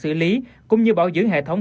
xử lý cũng như bảo dưỡng hệ thống